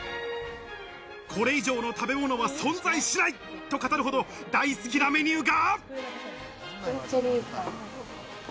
これ以上の食べ物は存在しないと語るほど大好きなメニューが。